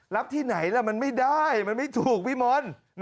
ที่ไหนล่ะมันไม่ได้มันไม่ถูกพี่มนต์